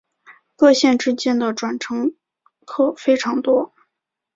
各线之间的转乘客非常多。